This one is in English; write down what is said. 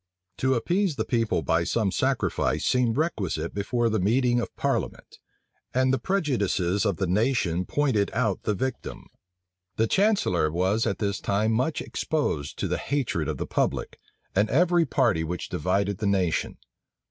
To appease the people by some sacrifice seemed requisite before the meeting of parliament; and the prejudices of the nation pointed out the victim. The chancellor was at this time much exposed to the hatred of the public, and of every party which divided the nation.